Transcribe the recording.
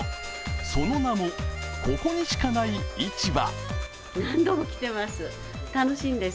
その名も「ここにしかないいちば」。